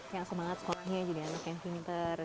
yang semangat sekolahnya jadi anak yang pinter